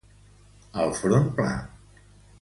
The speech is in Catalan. El front pla.